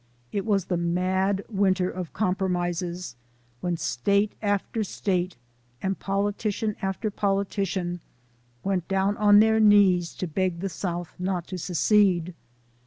It was the mad winter of compromises, when State after State, and politician after politician, went down on their knees to beg the South not to secede.